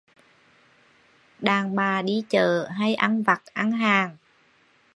Đàn bà đi chợ hay ăn vặt, ăn hàng